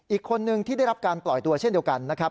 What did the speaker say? อีกคนนึงที่ได้รับการปล่อยตัวเช่นเดียวกันนะครับ